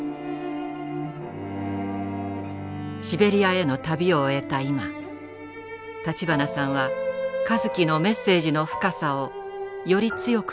シベリアへの旅を終えた今立花さんは香月のメッセージの深さをより強く感じています。